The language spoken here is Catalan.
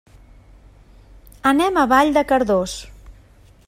Anem a Vall de Cardós.